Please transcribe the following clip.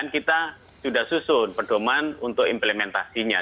kita sudah susun perdoman untuk implementasinya